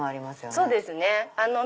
そうですね。